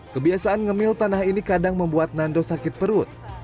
kebiasaan ngemil tanah ini kadang membuat nando sakit perut